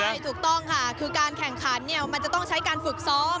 ใช่ถูกต้องค่ะคือการแข่งขันเนี่ยมันจะต้องใช้การฝึกซ้อม